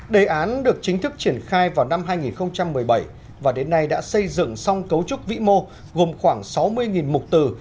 đề án được chính thức triển khai vào năm hai nghìn một mươi bảy và đến nay đã xây dựng xong cấu trúc vĩ mô gồm khoảng sáu mươi mục từ